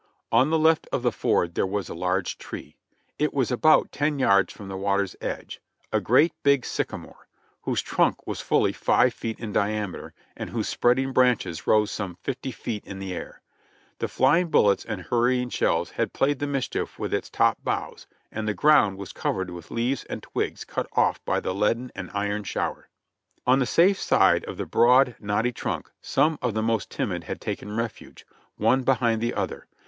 On the left of the ford there was a large tree. It was about ten yards from the water's edge, a great big sycamore, whose trunk was fully five feet in diameter, and whose spreading branches rose some fifty feet in the air. The flying bullets and hurrying shells had played the mischief with its top boughs, and the ground was covered with leaves and twigs cut ofif by the leaden and iron shower. On the safe side of the broad, knotty trunk some of the most timid had taken refuge, one behind the other.